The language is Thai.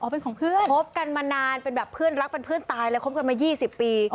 พบกันมานานเป็นแบบเพื่อนรักเป็นเพื่อนตายแล้วพบกันมา๒๐ปี